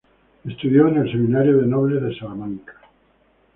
Estudió en el Seminario de Nobles de Salamanca.